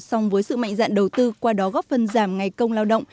song với sự mạnh dạn đầu tư qua đó góp phần giảm ngày công lao động